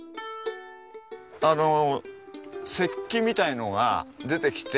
あの石器みたいなのが出てきて。